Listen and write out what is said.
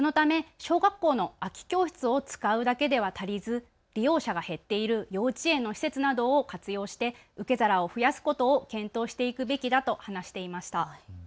そのため小学校の空き教室を使うだけでは足りず、利用者が減っている幼稚園の施設などを活用して受け皿を増やすことを検討していくべきだと話していました。